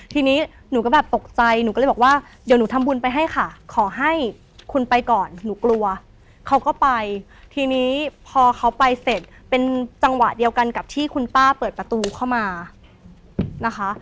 ทีนี้หนูก็แบบตกใจหนูก็เลยบอกว่าเดี๋ยวหนูทำบุญไปให้ค่ะขอให้คุณไปก่อนหนูกลัวเขาก็ไปทีนี้พอเขาไปเสร็จเป็นจังหวะเดียวกันกับที่คุณป้าเปิดประตูเข้ามานะคะ